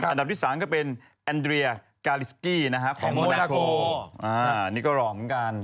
อันดับที่๓ก็เป็นอันดรียากาลิสกีมนาโกนี่ก็รอเหมือนกัน